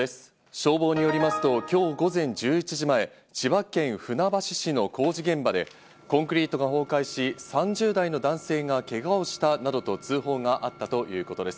消防によりますと、今日午前１１時前、千葉県船橋市の工事現場でコンクリートが崩壊し、３０代の男性がけがをしたなどと通報があったということです。